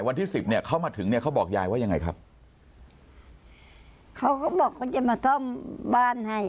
วันที่สิบเนี้ยเขามาถึงเนี่ยเขาบอกยายว่ายังไงครับเขาก็บอกเขาจะมาซ่อมบ้านให้